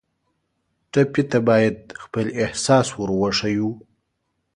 ټپي ته باید خپل احساس ور وښیو.